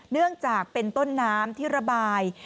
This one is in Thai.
เนื่องจากเป็นต้นน้ำที่ระบาย